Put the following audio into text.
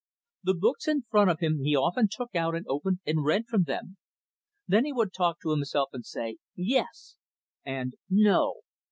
The books in front of him he often took out and opened and read from them. Then he would talk to himself and say "Yes!" and "No!"